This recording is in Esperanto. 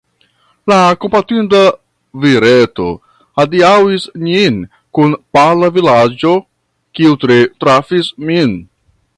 La kompatinda vireto adiaŭis nin kun pala vizaĝo, kiu tre trafis min.